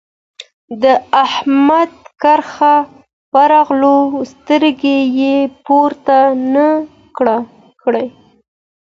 د احمد کره ورغلو؛ سترګې يې پورته نه کړې.